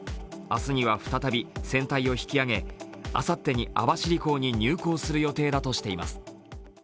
明日には再び船体を引き揚げあさってに網走港に入港する予定だとしています。